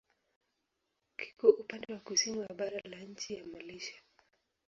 Kiko upande wa kusini wa bara la nchi ya Malaysia.